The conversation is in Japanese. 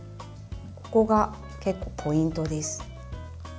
ここが結構ポイントです。